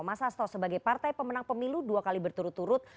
mas hasto sebagai partai pemenang pemilu dua kali berturut turut